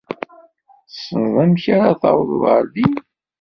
Tessneḍ amek ara tawḍeḍ ɣer din?